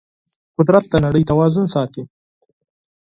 قدرت د نړۍ توازن ساتي.